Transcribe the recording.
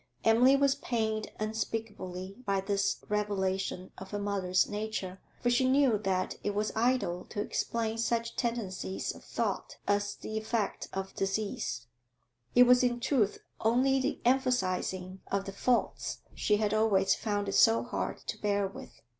Emily was pained unspeakably by this revelation of her mother's nature, for she knew that it was idle to explain such tendencies of thought as the effect of disease; it was, in truth, only the emphasising of the faults she had always found it so hard to bear with.